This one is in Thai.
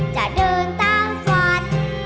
จะเดินตามฝัน